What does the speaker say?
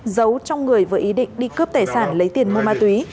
giấu trong người với ý định đi cướp tài sản lấy tiền mua ma túy